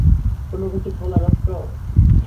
কোনোকিছু খোলার অস্ত্র?